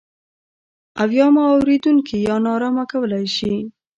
او یا مو اورېدونکي نا ارامه کولای شي.